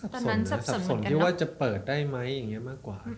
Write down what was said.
ตอนนั้นสับสนสับสนที่ว่าจะเปิดได้ไหมอย่างเงี้ยมากกว่า